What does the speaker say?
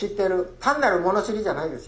単なる物知りじゃないですよ。